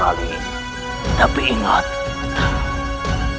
kalau kamu sudah mendapatkan kabar